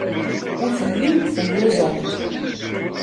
Ur tellimt telluẓemt.